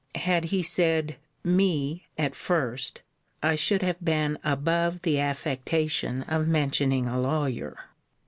Had he said me at first, I should have been above the affectation of mentioning a lawyer.